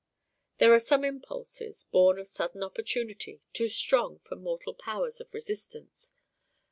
There are some impulses, born of sudden opportunity, too strong for mortal powers of resistance.